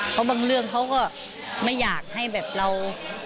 เพราะบางเรื่องเขาก็ไม่อยากให้แบบเรา